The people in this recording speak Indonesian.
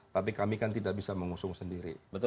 tapi kami kan tidak bisa mengusung sendiri